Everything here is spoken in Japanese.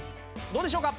どうでしょうか？